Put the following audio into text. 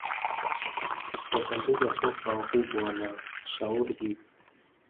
wachambuzi wa soka wakubwa wanashauri hivyo